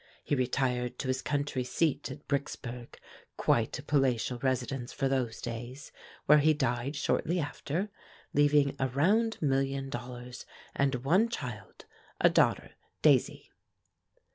He retired to his country seat at Bricksburg, quite a palatial residence for those days, where he died shortly after, leaving a round million dollars and one child, a daughter, Daisy.